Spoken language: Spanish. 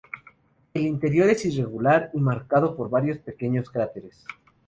El interior es irregular y marcado por varios pequeños cráteres.